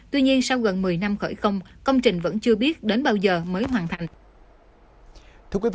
tuy nhiên sau gần một mươi năm khởi công công trình vẫn chưa biết đến bao giờ mới hoàn thành